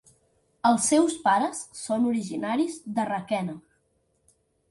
Els seus pares són originaris de Requena.